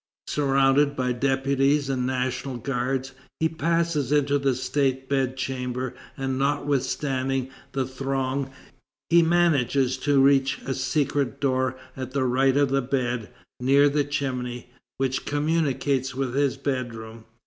Surrounded by deputies and National Guards, he passes into the State Bedchamber, and notwithstanding the throng, he manages to reach a secret door at the right of the bed, near the chimney, which communicates with his bedroom.